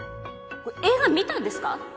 映画見たんですか？